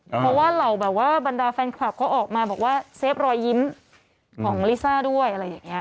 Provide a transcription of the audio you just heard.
เพราะว่าเหล่าแบบว่าบรรดาแฟนคลับเขาออกมาบอกว่าเซฟรอยยิ้มของลิซ่าด้วยอะไรอย่างนี้